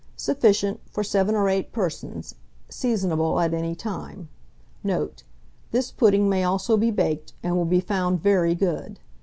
Sufficient for 7 or 8 persons. Seasonable at any time. Note. This pudding may also be baked, and will be found very good.